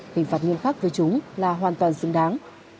hình phạt nghiêm khắc với chúng là hoàn toàn xứng đáng